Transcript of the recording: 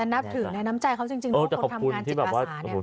แต่นับถึงเนี่ยน้ำใจเขาจริงทุกคนทำงานจิตภาษาเนี่ย